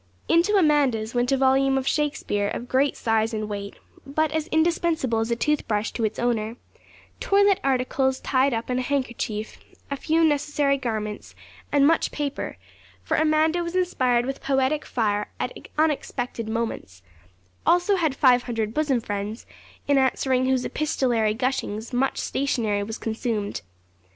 Into Amanda's went a volume of Shakspeare of great size and weight, but as indispensable as a tooth brush to its owner; toilette articles tied up in a handkerchief, a few necessary garments, and much paper, for Amanda was inspired with poetic fire at unexpected moments, also had five hundred bosom friends, in answering whose epistolary gushings much stationery was consumed.